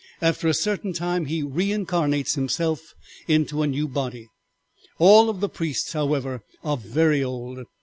After a certain time he reincarnates himself into a new body. All of the priests, however, are very old.